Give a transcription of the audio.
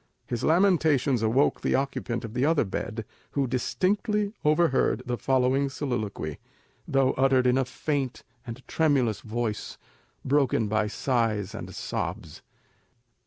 His lamentations awoke the occupant of the other bed, who distinctly overheard the following soliloquy, though uttered in a faint and tremulous voice, broken by sighs and sobs.